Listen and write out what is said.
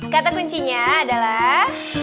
kata kuncinya adalah